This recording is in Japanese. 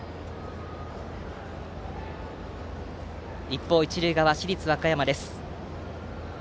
一方、一塁側の市立和歌山です。